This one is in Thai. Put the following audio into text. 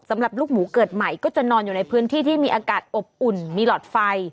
สำหรับลูกหมูเกิดใหม่ก็จะนอนอยู่ในพื้นที่ที่มีอากาศอบอุ่นมีหลอดไฟ